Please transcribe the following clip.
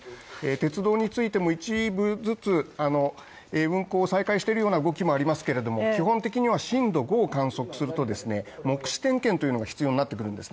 鉄道についても一部ずつ運行を再開している動きもありますが基本的には震度５を観測すると目視点検というのが必要になってくるんです。